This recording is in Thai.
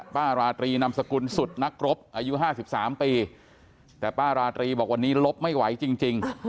ป้าราตรีนำสกุลสุดนักรบอายุ๕๓ปีแต่ป้าราตรีบอกวันนี้ลบไม่ไหวจริง